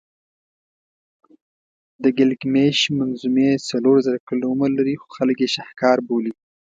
د ګیلګمېش منظومې څلور زره کلونه عمر لري خو خلک یې شهکار بولي.